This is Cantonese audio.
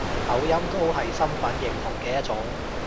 口音都係身份認同嘅一種